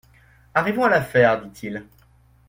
Arrivons à l'affaire, dit-il.